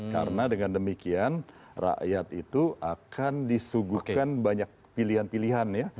karena dengan demikian rakyat itu akan disuguhkan banyak pilihan pilihan ya